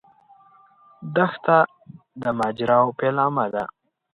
دښته د ماجراوو پیلامه ده.